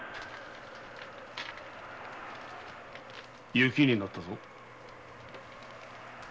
雪になったぞ。